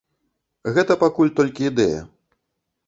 Гэта пакуль толькі ідэя.